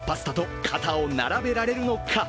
日本のそばはパスタと肩を並べられるのか。